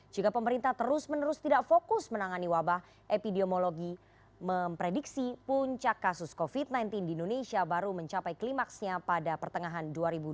jika pemerintah terus menerus tidak fokus menangani wabah epidemiologi memprediksi puncak kasus covid sembilan belas di indonesia baru mencapai klimaksnya pada pertengahan dua ribu dua puluh